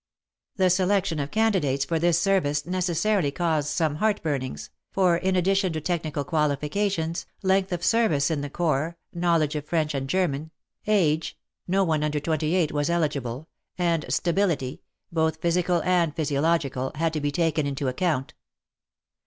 The selection of candidates for this service necessarily caused some heartburnings, for in addition to technical qualifications, length of service in the Corps, knowledge of French and German, age (no one under twenty eight WAR AND WOMEN 19 was eligible), and stability — both psychical and physiological — had to be taken into account.